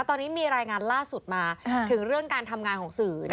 ตอนนี้มีรายงานล่าสุดมาถึงเรื่องการทำงานของสื่อ